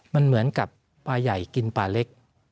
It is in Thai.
มันเหมือนกับปลาใหญ่กินปลาเล็ก